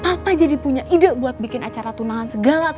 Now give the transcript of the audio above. papa jadi punya ide buat bikin acara tunangan segala